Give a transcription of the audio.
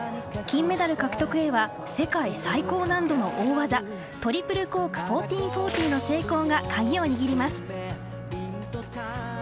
金メダル獲得へは世界最高難度の大技、トリプルコーク１４４０の成功が鍵を握ります。